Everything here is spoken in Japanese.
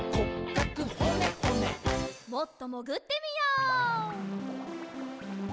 もっともぐってみよう。